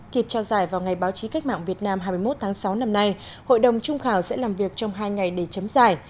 kịp trao giải vào ngày báo chí cách mạng việt nam hai mươi một tháng sáu năm nay hội đồng trung khảo sẽ làm việc trong hai ngày để chấm giải